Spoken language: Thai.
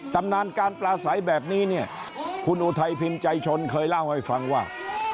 ตำนานการปลาใสแบบนี้เนี่ยคุณอุทัยพิมพ์ใจชนเคยเล่าให้ฟังว่า